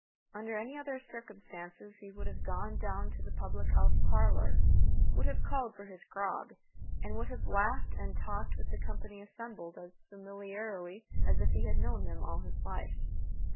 Under any other circumstances he would have gone down to the public house parlor, would have called for his grog, and would have laughed and talked with the company assembled as familiarly as if he had known them all his life.